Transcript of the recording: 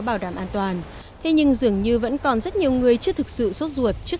bảo đảm an toàn thế nhưng dường như vẫn còn rất nhiều người chưa thực sự sốt ruột trước